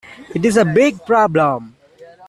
It's a big problem.